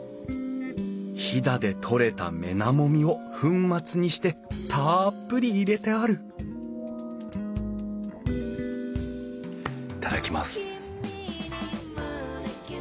飛騨で採れたメナモミを粉末にしてたっぷり入れてある頂きます。